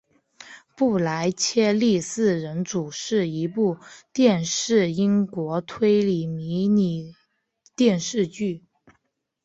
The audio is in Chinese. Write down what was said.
布莱切利四人组是一部电视英国推理迷你电视剧。